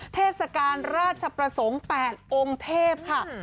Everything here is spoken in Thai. เทศกาลราชประสงค์๘องค์เทพค่ะ